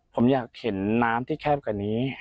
ผมอยากเห็นน้ำที่แคบกว่านี้